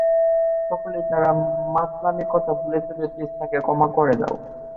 সকালেই তার মাতলামির কথা ভুলে যাবে, প্লিজ তাকে ক্ষমা করে দাও।